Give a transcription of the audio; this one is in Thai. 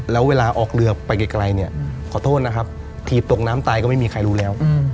แล้วเวลาออกเรือไปไกลเนี่ยขอโทษนะครับถีบตกน้ำตายก็ไม่มีใครรู้แล้ว